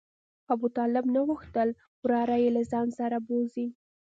ابوطالب نه غوښتل وراره یې له ځان سره بوځي.